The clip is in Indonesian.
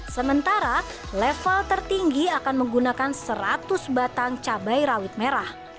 sementara level tertinggi akan menggunakan seratus batang cabai rawit merah